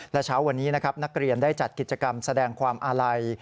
และเช้าวันนี้นะครับนักเรียนได้จัดกิจกรรมแสดงความอาลัย